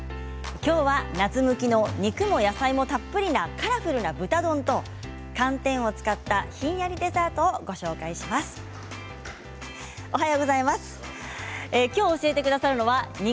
きょうは夏向きの肉も野菜もたっぷりな豚丼と寒天を使ったひんやりデザートをご紹介します。